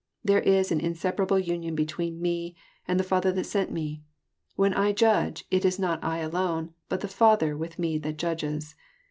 There is an inseparable union between Mc, and the Father that sent Me. When I judge, it is not I alone, but the Father with Me that judges.